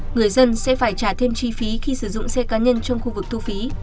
người dân sẽ phải trả thêm chi phí khi sử dụng xe cá nhân trong khu vực thu phí